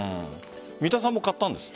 三田さんも買ったんですって？